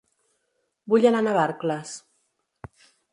Vull anar a Navarcles